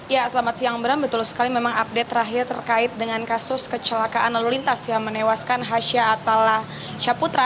ya selamat siang bram betul sekali memang update terakhir terkait dengan kasus kecelakaan lalu lintas yang menewaskan hasha atala syaputra